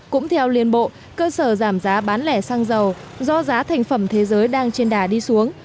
cũng theo liên bộ cơ sở giảm giá bán lẻ xăng dầu do giá thành phẩm thế giới đang trên đà đi xuống